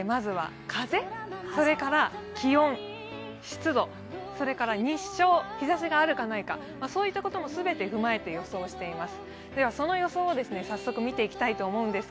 実はいろいろ加味してまして、まずは風、まずは風、それから気温、湿度、それから日照、日ざしがあるかないか、そういったことも全て踏まえて予想しています。